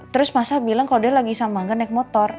terus masa bilang kalau dia lagi sama nggak naik motor